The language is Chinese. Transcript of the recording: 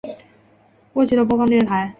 过去的播放电视台